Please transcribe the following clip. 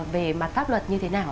về mặt pháp luật như thế nào ạ